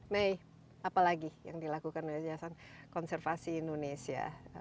mei apa lagi yang dilakukan dari jasa konservasi indonesia